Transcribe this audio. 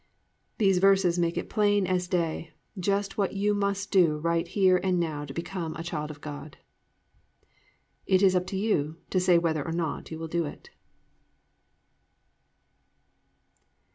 "+ These verses make it plain as day just what you must do right here and now to become a child of God. It is up to you to say whether or not you will do it.